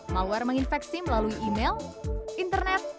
malware menginfeksi melalui email internet